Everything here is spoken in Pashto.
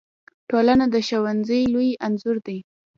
ټولنه د ښوونځي لوی انځور دی.